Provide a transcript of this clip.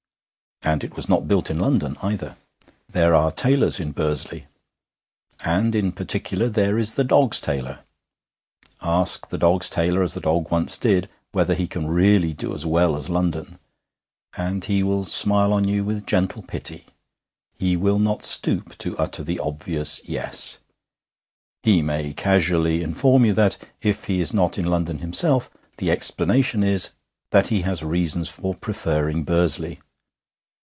And it was not built in London, either. There are tailors in Bursley. And in particular there is the dog's tailor. Ask the dog's tailor, as the dog once did, whether he can really do as well as London, and he will smile on you with gentle pity; he will not stoop to utter the obvious Yes. He may casually inform you that, if he is not in London himself, the explanation is that he has reasons for preferring Bursley.